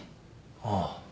ああ。